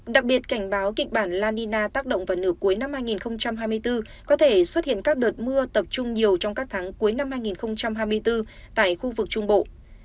đặc biệt cảnh báo kịch bản la nina tác động vào nửa cuối năm hai nghìn hai mươi bốn có thể xuất hiện các đợt mưa tập trung nhiều trong các tháng cuối năm hai nghìn hai mươi bốn tại khu vực trung bộ